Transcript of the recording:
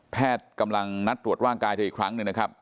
กำลังนัดตรวจร่างกายเธออีกครั้งหนึ่งนะครับ